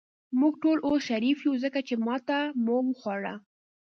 موږ ټول اوس شریف یو، ځکه چې ماته مو وخوړه.